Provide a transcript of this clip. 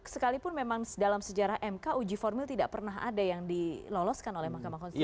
sekalipun memang dalam sejarah mk uji formil tidak pernah ada yang diloloskan oleh mahkamah konstitusi